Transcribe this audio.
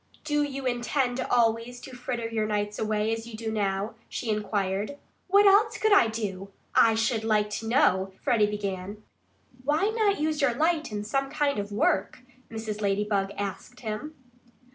"Do you intend always to fritter your nights away as you do now?" she inquired. "What else could I do? I should like to know " Freddie began. "Why not use your light in some kind of work?" Mrs. Ladybug asked him.